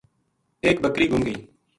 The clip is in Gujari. ایک بکری گُم گئی